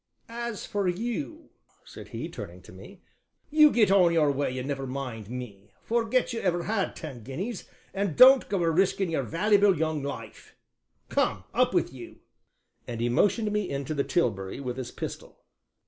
"As for you," said he, turning to me, "you get on your way and never mind me; forget you ever had ten guineas and don't go a riskin' your vallyble young life; come up with you!" and he motioned me into the tilbury with his pistol.